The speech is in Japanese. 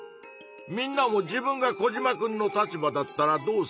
みんなも自分がコジマくんの立場だったらどうするか？